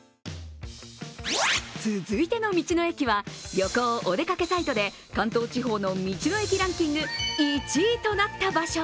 続いての道の駅は旅行、お出かけサイトで関東地方の道の駅ランキング１位となった場所。